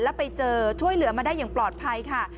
แล้วไปเจอช่วยเหลือมาได้อย่างปลอดภัยค่ะ